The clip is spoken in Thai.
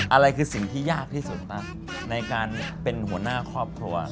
อะไรคือสิ่งที่ยากที่สุดในการเป็นหัวหน้าครอบครัว